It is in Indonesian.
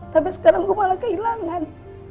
tapi sekarang gue malah kehilangan